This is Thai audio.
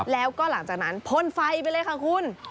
แล้วก็หลังจากนั้นพ่นไฟไปเลยค่ะคุณ